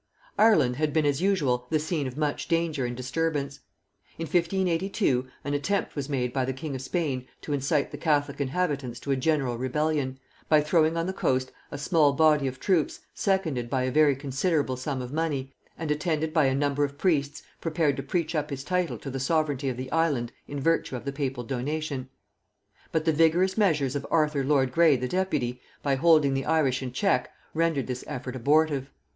Ireland had been as usual the scene of much danger and disturbance. In 1582 an attempt was made by the king of Spain to incite the catholic inhabitants to a general rebellion, by throwing on the coast a small body of troops seconded by a very considerable sum of money, and attended by a number of priests prepared to preach up his title to the sovereignty of the island in virtue of the papal donation. But the vigorous measures of Arthur lord Grey the deputy, by holding the Irish in check, rendered this effort abortive.